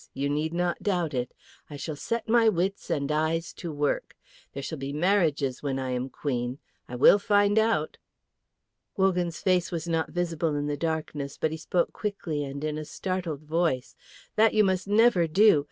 You need not doubt it. I shall set my wits and eyes to work. There shall be marriages when I am Queen. I will find out!" Wogan's face was not visible in the darkness; but he spoke quickly and in a startled voice, "That you must never do.